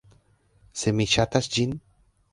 Se mi ŝatas ĝin